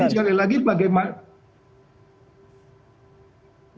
jadi sekali lagi bagaimana